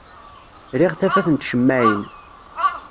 Riɣ tafat n tcemmaɛin.